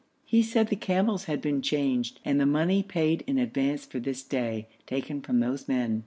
He said the camels had been changed, and the money paid in advance for this day, taken from those men.